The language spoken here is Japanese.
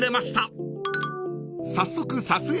［早速］